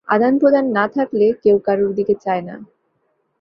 আদান-প্রদান না থাকলে কেউ কারুর দিকে চায় না।